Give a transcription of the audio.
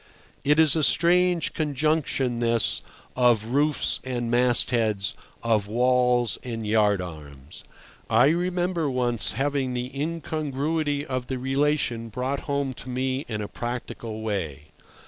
It is a strange conjunction this of roofs and mastheads, of walls and yard arms. I remember once having the incongruity of the relation brought home to me in a practical way.